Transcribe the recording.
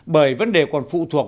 bởi vấn đề còn phụ thuộc